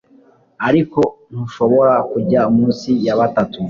ariko ntushobora kujya munsi ya batatu